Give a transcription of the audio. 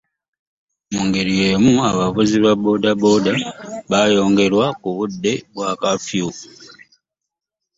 Mu ngeri y'emu, abavuzi ba booda booda baayongerwa ku budde bwa kaafiyu